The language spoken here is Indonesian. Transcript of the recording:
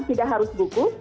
tidak harus buku